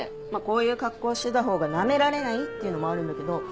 こういう格好してたほうがナメられないっていうのもあるんだけど。